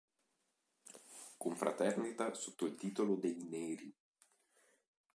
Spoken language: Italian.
Confraternita sotto il titolo dei "Neri".